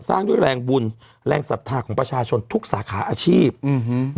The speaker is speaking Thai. สร้างด้วยแรงบุญแรงศรัทธาของประชาชนทุกสาขาอาชีพอืม